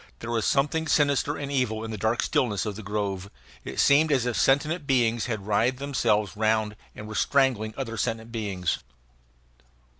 There was something sinister and evil in the dark stillness of the grove; it seemed as if sentient beings had writhed themselves round and were strangling other sentient beings.